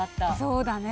そうだね。